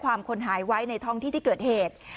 ความคนหายไว้ในท่องที่เกิดเหตุ